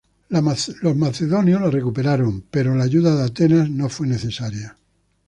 Los macedonios la recuperaron, pero la ayuda de Atenas no fue necesaria.